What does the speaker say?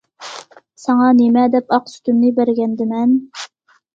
ساڭا نېمە دەپ ئاق سۈتۈمنى بەرگەندىمەن؟!